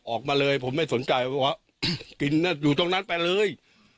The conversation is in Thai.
ออกมาเลยผมไม่สนใจบอกว่ากินอยู่ตรงนั้นไปเลย